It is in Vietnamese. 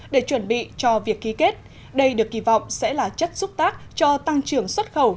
để chuẩn bị cho việc ký kết đây được kỳ vọng sẽ là chất xúc tác cho tăng trưởng xuất khẩu